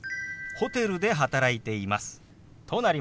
ホテルで働いています。